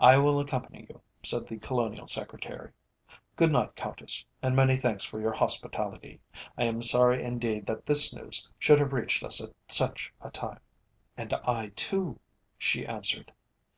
"I will accompany you," said the Colonial Secretary. "Good night, Countess, and many thanks for your hospitality. I am sorry indeed that this news should have reached us at such a time." "And I too," she answered.